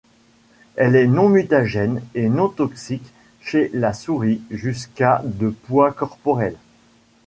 Elle est non mutagène et non toxique chez la souris jusqu'à de poids corporel.